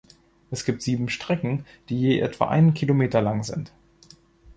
Es gibt sieben Strecken, die je etwa einen Kilometer lang sind.